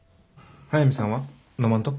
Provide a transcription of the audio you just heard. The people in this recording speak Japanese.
速見さんは飲まんと？